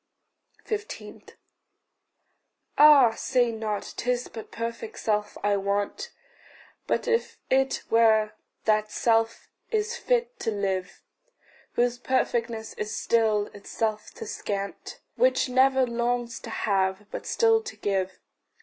15. Ah, say not, 'tis but perfect self I want But if it were, that self is fit to live Whose perfectness is still itself to scant, Which never longs to have, but still to give.